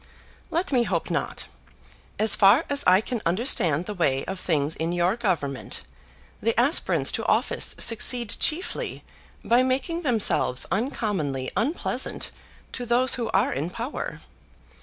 "Let me hope not. As far as I can understand the way of things in your Government, the aspirants to office succeed chiefly by making themselves uncommonly unpleasant to those who are in power.